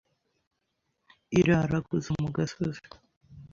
Iraraguza mu gasozi